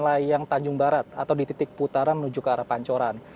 layang tanjung barat atau di titik putaran menuju ke arah pancoran